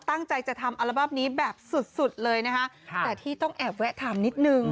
ตั้งใจจะทำอัลบั้มนี้แบบสุดสุดเลยนะคะแต่ที่ต้องแอบแวะถามนิดนึง